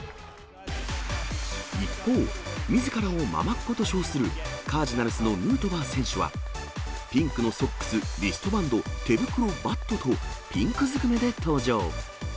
一方、みずからをママっ子と称するカージナルスのヌートバー選手は、ピンクのソックス、リストバンド、手袋、バットと、ピンクづくめで登場。